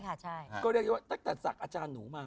ก็เรียกได้ว่าตั้งแต่ศักดิ์อาจารย์หนูมา